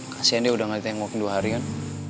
kasian dia udah gak ditengok dua hari kan